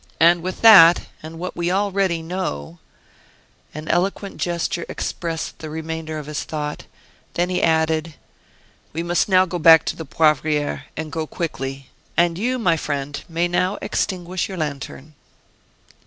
And with that, and what we already know " An eloquent gesture expressed the remainder of his thought, then he added: "We must now go back to the Poivriere, and go quickly. And you, my friend, may now extinguish your lantern."